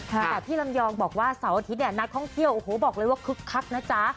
แต่พี่ลำยองบอกว่าเสาร์อาทิตย์เนี่ยนักท่องเที่ยวโอ้โหบอกเลยว่าคึกคักนะจ๊ะ